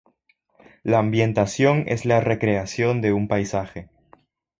La ambientación es la recreación de un paisaje.